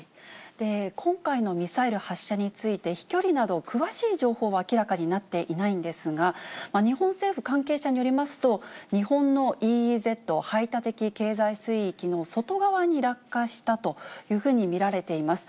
今回のミサイル発射について、飛距離など詳しい情報は明らかになっていないんですが、日本政府関係者によりますと、日本のＥＥＺ・排他的経済水域の外側に落下したというふうに見られています。